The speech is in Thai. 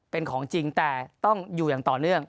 เป็นของจริงแต่ต้องอยู่อย่างต่อเนื่อง